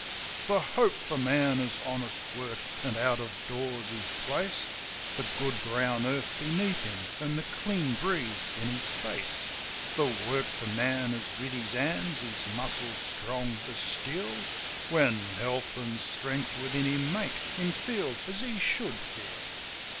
The hope for man is honest work, an' out o' doors his place, The good brown earth beneath him an' the clean breeze in his face; The work for man is with his hands, his muscles strong as steel, When health an' strength within him make him feel as he should feel.